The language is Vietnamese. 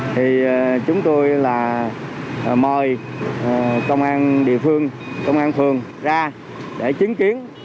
thì chúng tôi là mời công an địa phương công an phường ra để chứng kiến